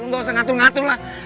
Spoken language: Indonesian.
lu ga usah ngatur ngatur lah